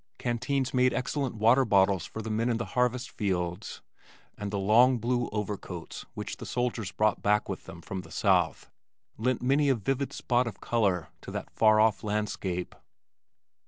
Canteens made excellent water bottles for the men in the harvest fields, and the long blue overcoats which the soldiers brought back with them from the south lent many a vivid spot of color to that far off landscape.